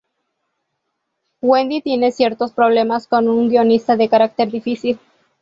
Wendy tiene ciertos problemas con un guionista de carácter difícil.